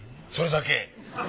それだけ？